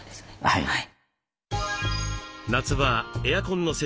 はい。